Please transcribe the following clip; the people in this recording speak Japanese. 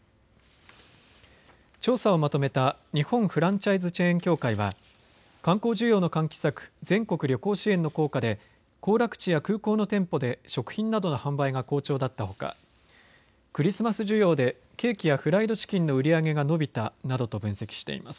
調査をまとめた日本フランチャイズチェーン協会は観光需要の喚起策、全国旅行支援の効果で行楽地や空港の店舗で食品などの販売が好調だったほか、クリスマス需要でケーキやフライドチキンの売り上げが伸びたなどと分析しています。